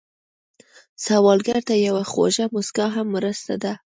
سوالګر ته یوه خوږه مسکا هم مرسته ده